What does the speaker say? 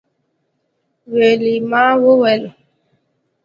ویلما وویل